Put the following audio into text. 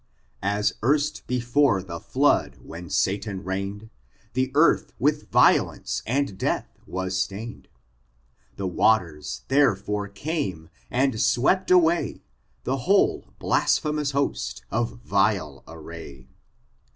At ent before the flood when Setan reifned. The earth with Tiolence and death waa atained; l*he waten therefore came, and swept away The whole blaaphemoas heat of Tile amy.